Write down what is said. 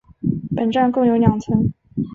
本站共有两层。